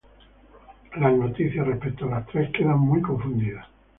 Las noticias respecto a las tres, quedan muy confundidas.